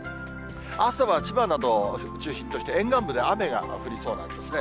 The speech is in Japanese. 朝は千葉などを中心として沿岸部で雨が降りそうなんですね。